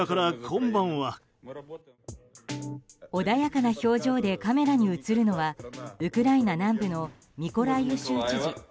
穏やかな表情でカメラに映るのはウクライナ南部のミコライウ州知事